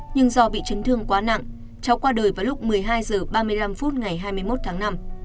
nhưng do bị chấn thương quá nặng cháu qua đời vào lúc một mươi hai h ba mươi năm ngày hai mươi một tháng năm